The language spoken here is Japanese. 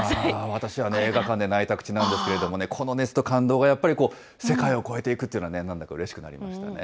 私はね、映画館で泣いたくちなんですけれどもね、この熱と感動が、やっぱり世界を超えていくっていうのはね、なんだかうれしくなりましたね。